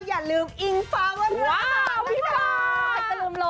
อย่าลืมอิงฟ่า